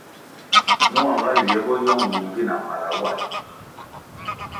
Mua nga nywie bo yong nung vi na mala wa.